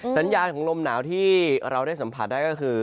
สัญญาณของลมหนาวที่เราได้สัมผัสได้ก็คือ